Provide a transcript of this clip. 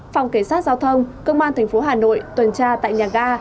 phòng cảnh sát giao thông công an thành phố hà nội tuần tra tại nhà ga